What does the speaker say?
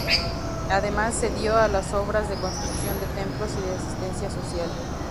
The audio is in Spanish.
Además se dio a las obras de construcción de templos y de asistencia social.